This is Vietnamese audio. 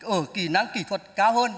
ở kỹ năng kỹ thuật cao hơn